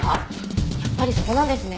やっぱりそこなんですね。